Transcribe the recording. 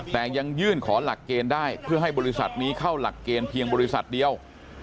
แต่ยังยื่นขอหลักเกณฑ์ได้เพื่อให้บริษัทนี้เข้าหลักเกณฑ์เพียงบริษัทเดียว